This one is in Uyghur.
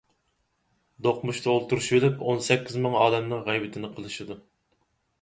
دوقمۇشتا ئولتۇرۇشۇۋېلىپ ئون سەككىز مىڭ ئالەمنىڭ غەيۋىتىنى قىلىشىدۇ.